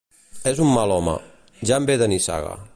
És un mal home: ja en ve de nissaga.